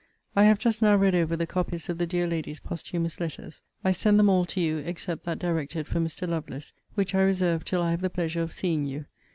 I have just now read over the copies of the dear lady's posthumous letters. I send them all to you, except that directed for Mr. Lovelace; which I reserve till I have the pleasure of seeing you.